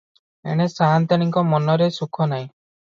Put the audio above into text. ଏଣେ ସା’ନ୍ତାଣୀଙ୍କ ମନରେ ସୁଖ ନାହିଁ ।